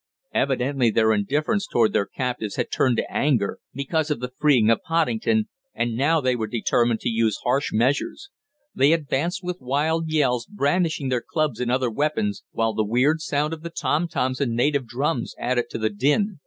Evidently their indifference toward their captives had turned to anger because of the freeing of Poddington, and now they were determined to use harsh measures. They advanced with wild yells, brandishing their clubs and other weapons, while the weird sound of the tom toms and natives drums added to the din.